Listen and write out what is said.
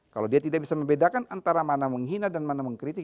kalau dia tidak bisa membedakan antara mana menghina dan mana mengkritik